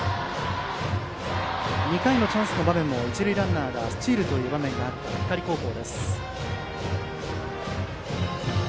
２回のチャンスの場面も一塁ランナーがスチールという場面があった光高校。